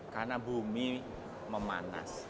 karena bumi memandu